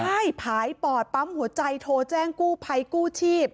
ใช่ผายปอดปั๊มหัวใจโทรแจ้งกู้ภัยกู้ชีพ